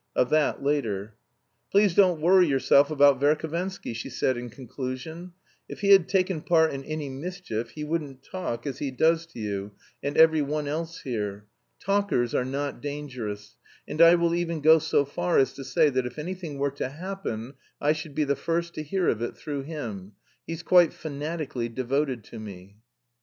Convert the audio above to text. Of that later. "Please don't worry yourself about Verhovensky," she said in conclusion. "If he had taken part in any mischief he wouldn't talk as he does to you, and every one else here. Talkers are not dangerous, and I will even go so far as to say that if anything were to happen I should be the first to hear of it through him. He's quite fanatically devoted to me."